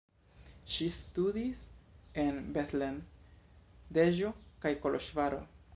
Ŝi studis en Bethlen, Deĵo kaj Koloĵvaro.